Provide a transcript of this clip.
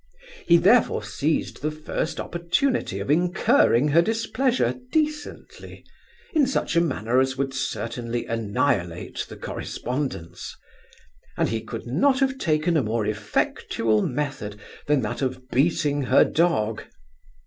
He, therefore, seized the first opportunity of incurring her displeasure decently, in such a manner as would certainly annihilate the correspondence; and he could not have taken a more effectual method, than that of beating her dog.